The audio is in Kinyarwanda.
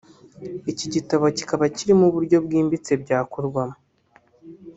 iki gitabo kikaba kirimo uburyo bwimbitse byakorwamo